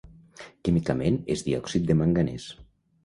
Químicament és diòxid de manganès.